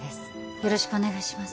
よろしくお願いします